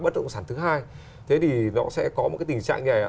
thế thì nó sẽ có một cái tình trạng như này ạ